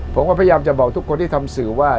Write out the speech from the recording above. ผมก็พยายามจะบอกทุกคนที่ทำสื่อว่า